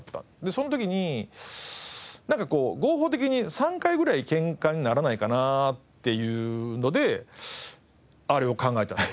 その時に合法的に３回ぐらいケンカにならないかなっていうのであれを考えたんです。